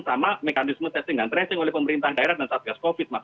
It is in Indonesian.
sama mekanisme testing dan tracing oleh pemerintah daerah dan satgas covid mas